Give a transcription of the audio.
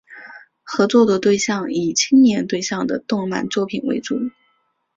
合作的对象以青年对象的动漫作品为主。